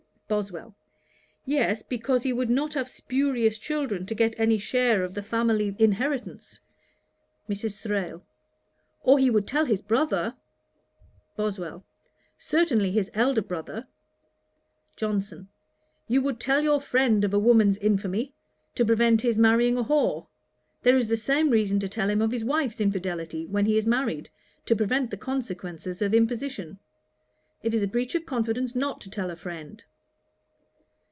BOSWELL. 'Yes; because he would not have spurious children to get any share of the family inheritance.' MRS. THRALE. 'Or he would tell his brother.' BOSWELL. 'Certainly his elder brother.' JOHNSON. 'You would tell your friend of a woman's infamy, to prevent his marrying a whore: there is the same reason to tell him of his wife's infidelity, when he is married, to prevent the consequences of imposition. It is a breach of confidence not to tell a friend.'